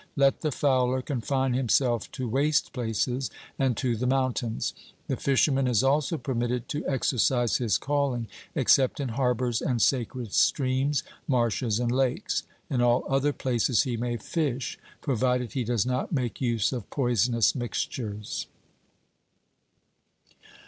Let the fowler confine himself to waste places and to the mountains. The fisherman is also permitted to exercise his calling, except in harbours and sacred streams, marshes and lakes; in all other places he may fish, provided he does not make use of poisonous mixtures.